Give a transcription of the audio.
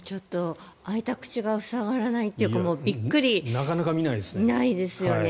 開いた口が塞がらないというかなかなか見ないですよね。